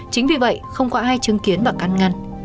chính vì vậy không có ai chứng kiến và căn ngăn